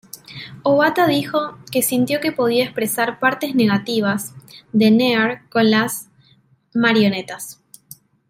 Obata dijo que sintió que podía expresar "partes negativas" de Near con las marionetas.